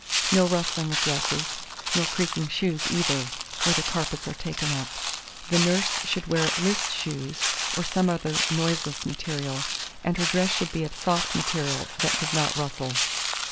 No rustling of dresses, nor creaking shoes either; where the carpets are taken up, the nurse should wear list shoes, or some other noiseless material, and her dress should be of soft material that does not rustle.